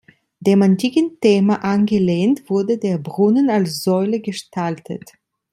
Dem antiken Thema angelehnt wurde der Brunnen als Säule gestaltet.